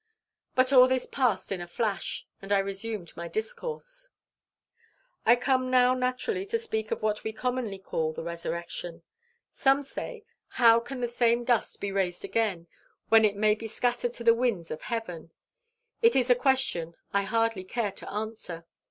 But all this passed in a flash, and I resumed my discourse. "I come now naturally to speak of what we commonly call the Resurrection. Some say: 'How can the same dust be raised again, when it may be scattered to the winds of heaven?' It is a question I hardly care to answer.